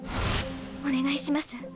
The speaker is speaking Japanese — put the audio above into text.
お願いします。